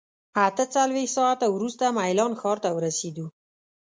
اته څلوېښت ساعته وروسته میلان ښار ته ورسېدو.